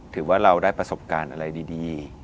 ถือว่าเราได้ประสบการณ์อะไรดี